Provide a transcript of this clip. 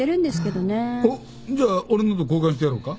おっじゃあ俺のと交換してやろうか？